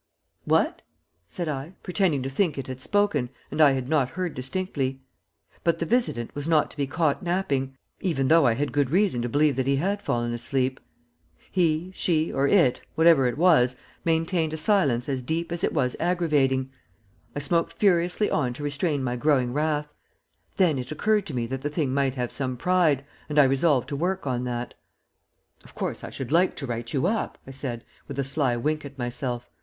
"What?" said I, pretending to think it had spoken and I had not heard distinctly; but the visitant was not to be caught napping, even though I had good reason to believe that he had fallen asleep. He, she, or it, whatever it was, maintained a silence as deep as it was aggravating. I smoked furiously on to restrain my growing wrath. Then it occurred to me that the thing might have some pride, and I resolved to work on that. "Of course I should like to write you up," I said, with a sly wink at myself.